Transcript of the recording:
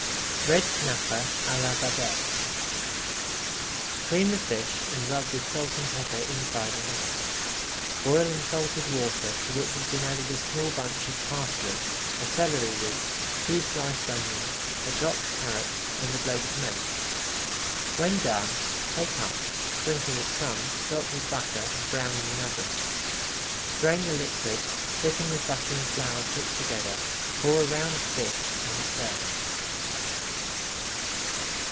RED SNAPPER À LA BABETTE Clean the fish and rub with salt and pepper inside and out. Boil in salted water to which has been added a small bunch of parsley, a celery root, two sliced onions, a chopped carrot, and a blade of mace. When done, take up, sprinkle with crumbs, dot with butter, [Page 261] and brown in the oven. Strain the liquid, thicken with butter and flour cooked together, pour around the fish, and serve.